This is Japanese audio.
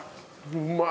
うまい。